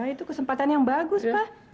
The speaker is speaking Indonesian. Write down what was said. itu kesempatan yang bagus pak